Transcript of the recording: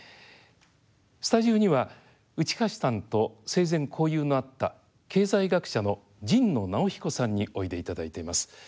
スタジオには内橋さんと生前交友のあった経済学者の神野直彦さんにおいでいただいています。